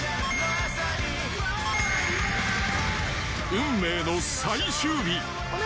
運命の最終日。